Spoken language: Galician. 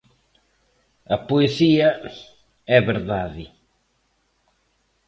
A poesía é verdade.